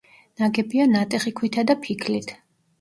ნაგებია ნატეხი ქვითა და ფიქლით.